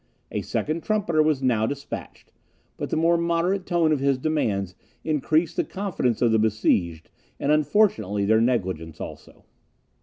A second trumpeter was now despatched; but the more moderate tone of his demands increased the confidence of the besieged, and unfortunately their negligence also.